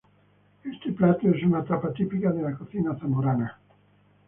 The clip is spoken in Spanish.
Este plato es una tapa típica de la cocina zamorana.